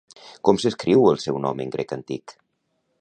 Com s'escriu el seu nom en grec antic?